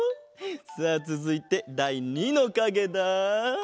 さあつづいてだい２のかげだ。